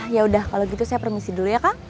yaudah kalau gitu saya permisi dulu ya kang